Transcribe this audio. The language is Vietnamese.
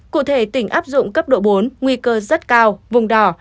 cụ thể tỉnh áp dụng cấp độ bốn nguy cơ rất cao vùng đỏ